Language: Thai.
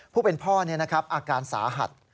ผู้เป็นพ่ออาการสาหัส